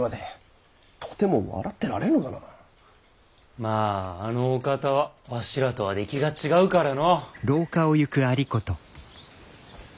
まぁあのお方はわしらとは出来が違うからの。